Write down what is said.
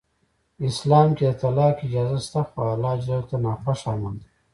اسلام کې د طلاق اجازه شته خو الله ج ته ناخوښ عمل دی.